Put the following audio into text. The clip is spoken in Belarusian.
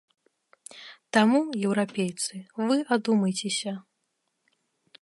Таму, еўрапейцы, вы адумайцеся!